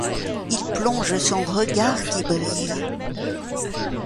Il plonge son regard qui brille